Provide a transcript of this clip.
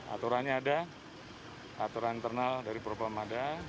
aturannya ada aturan internal dari propam ada